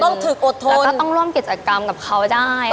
ต้องถึกอดทนแล้วก็ต้องร่วมกิจกรรมกับเขาได้ค่ะ